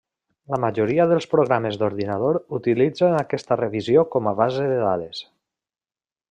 La majoria dels programes d'ordinador utilitzen aquesta revisió com a base de dades.